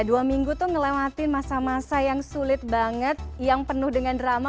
dua minggu tuh ngelewatin masa masa yang sulit banget yang penuh dengan drama